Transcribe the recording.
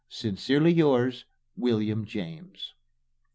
Sincerely yours, WM. JAMES.